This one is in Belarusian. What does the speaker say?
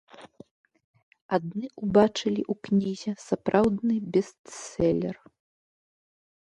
Адны ўбачылі ў кнізе сапраўдны бестселер.